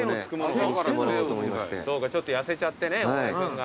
そうかちょっと痩せちゃってね大江君が。